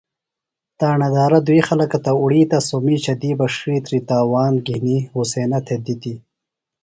تاݨہ دارہ دُوئی خلکہ تہ اُڑیتہ سوۡ مِیشہ دی بہ ڇِھیتری تاوان گِھنیۡ حُسینہ تھےۡ دِتیۡ۔